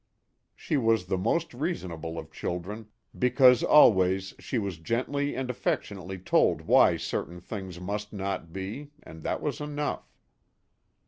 She was the most reasonable of children because always she was gently and affection ately told why certain things must not be, and that was enough.